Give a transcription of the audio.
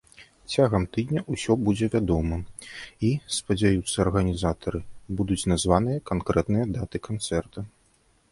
Цягам тыдня ўсё будзе вядома і, спадзяюцца арганізатары, будуць названыя канкрэтныя даты канцэрта.